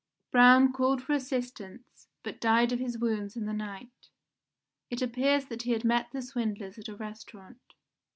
Braun called for assistance, but died of his wounds in the night. It appears that he had met the swindlers at a restaurant."